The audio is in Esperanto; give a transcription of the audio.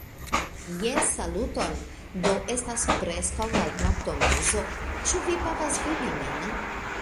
Jes, saluton. Do estas preskaŭ la noktomezo. Ĉu vi povas vidi min?